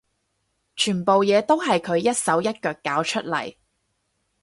全部嘢都係佢一手一腳搞出嚟